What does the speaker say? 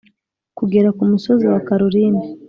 kugera kumusozi wa caroline.